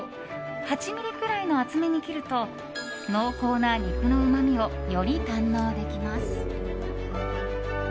８ｍｍくらいの厚めに切ると濃厚な肉のうまみをより堪能できます。